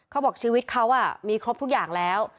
เขาบอกชีวิตเขามีครบทุกอย่างแล้ว